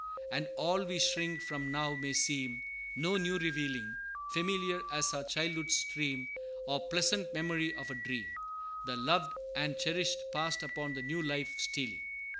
And all we shrink from now may seem No new revealing; Familiar as our childhood's stream, Or pleasant memory of a dream, The loved and cherished past upon the new life stealing.